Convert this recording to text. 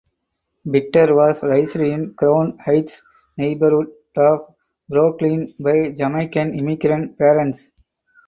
Pitter was raised in Crown Heights neighbourhood of Brooklyn by Jamaican immigrant parents.